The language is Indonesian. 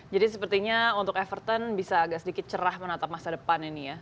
jadi sepertinya untuk everton bisa agak sedikit cerah menatap masa depan ini ya